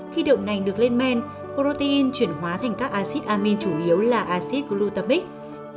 khi đậu nành được lên men protein chuyển hóa thành các acid amine chủ yếu là acid glutamate